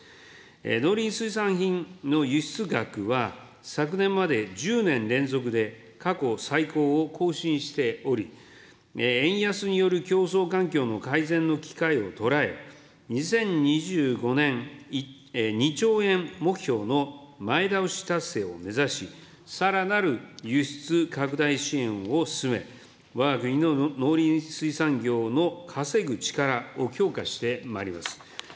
農林水産品の輸出額は、昨年まで１０年連続で過去最高を更新しており、円安による競争環境の改善の機会を捉え、２０２５年、２兆円目標の前倒し達成を目指し、さらなる輸出拡大支援を進め、わが国の農林水産業の稼ぐ力を強化してまいります。